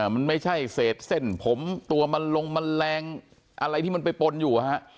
มันไม่ใช่เศษเส้นผมตัวมันลงมันแรงอะไรที่มันไปปนอยู่